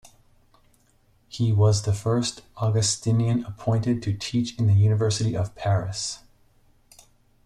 He was the first Augustinian appointed to teach in the University of Paris.